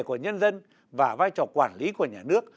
của nhân dân và vai trò quản lý của nhà nước